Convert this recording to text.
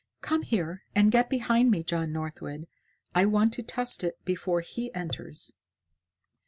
"Come here and get behind me, John Northwood. I want to test it before he enters."